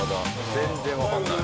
全然わかんない。